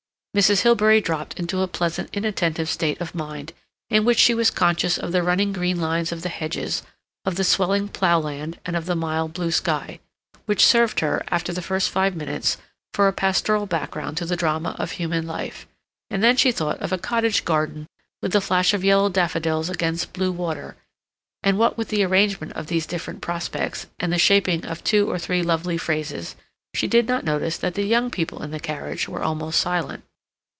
Mrs. Hilbery dropped into a pleasant, inattentive state of mind, in which she was conscious of the running green lines of the hedges, of the swelling ploughland, and of the mild blue sky, which served her, after the first five minutes, for a pastoral background to the drama of human life; and then she thought of a cottage garden, with the flash of yellow daffodils against blue water; and what with the arrangement of these different prospects, and the shaping of two or three lovely phrases, she did not notice that the young people in the carriage were almost silent.